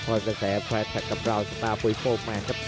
พลอยศักดิ์แสแฟรนด์ชักกับราวน์สตาร์โฟย์โฟร์แมนครับ